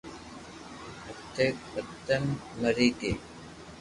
اٽيڪ مئن مري گئي